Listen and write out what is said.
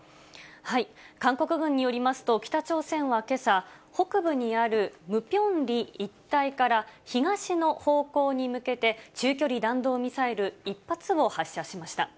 韓国軍によりますと、北朝鮮はけさ、北部にあるムピョンリ一帯から、東の方向に向けて中距離弾道ミサイル１発を発射しました。